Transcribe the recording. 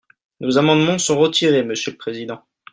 Nos amendements sont retirés, monsieur le président.